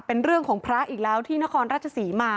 เป็นเรื่องของพระอีกแล้วที่นครราชศรีมา